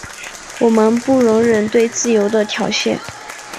我们不容忍对自由的挑衅。